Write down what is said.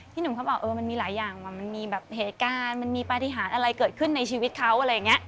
หนุ่มเขาบอกเออมันมีหลายอย่างมันมีแบบเหตุการณ์มันมีปฏิหารอะไรเกิดขึ้นในชีวิตเขาอะไรอย่างนี้